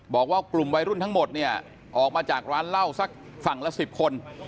บอกว่ากลุ่มวัยรุ่นทั้งหมดเนี่ยออกมาจากร้านเหล้าสักฝั่งละ๑๐คน